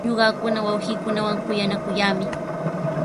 Ñuqakuna wawqiikunawan kuyanakuyaami.